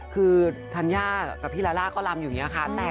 คือธัญญากับพี่ลาล่าก็ลำอยู่อย่างนี้ค่ะ